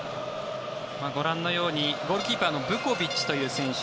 ご覧のようにゴールキーパーのブコビッチという選手